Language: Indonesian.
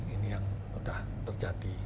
ini yang sudah terjadi